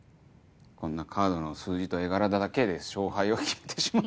こんなカードの数字と絵柄だだけで勝敗を決めてしまう。